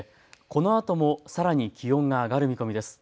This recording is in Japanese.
このあともさらに気温が上がる見込みです。